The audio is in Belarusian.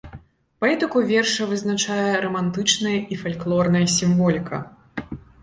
Паэтыку верша вызначае рамантычная і фальклорная сімволіка.